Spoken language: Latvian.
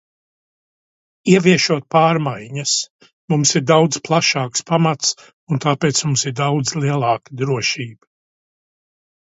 Ieviešot pārmaiņas, mums ir daudz plašāks pamats, un tāpēc mums ir daudz lielāka drošība.